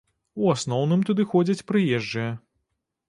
У асноўным туды ходзяць прыезджыя.